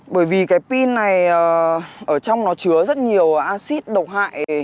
bởi vì cái pin này ở trong nó chứa rất nhiều acid độc hại